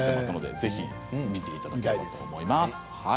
ぜひ読んでいただきたいと思います。